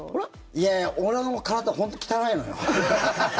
いやいや俺の体、本当汚いのよ。